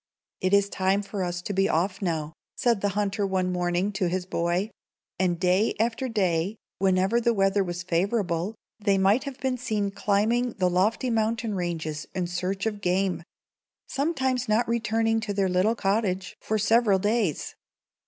] "It is time for us to be off now," said the hunter one morning to his boy; and day after day, whenever the weather was favorable, they might have been seen climbing the lofty mountain ranges in search of game, sometimes not returning to their little cottage for several days.